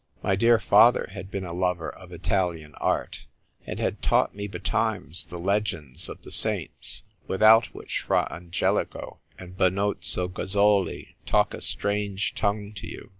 My dear father had been a lover of Italian art, and had taught me betimes the legends of the saints, without which Fra Angelico and Benozzo Gozzoli talk a strange tongue to you.